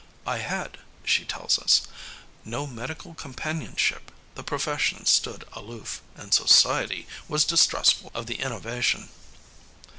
I had," she tells us, "no medical companionship, the profession stood aloof, and society was distrustful of the innovation."